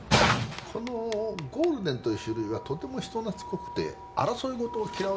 このゴールデンという種類はとても人なつっこくて争いごとを嫌うようですな。